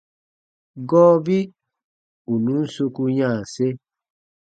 Gɔɔbi ù nùn soku yanse.